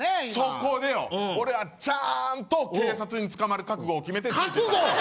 今そこでよ俺はちゃーんと警察に捕まる覚悟を決めて覚悟！